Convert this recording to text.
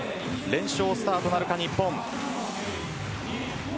連勝スタートなるか日本。